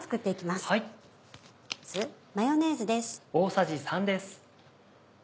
まずマヨネーズです。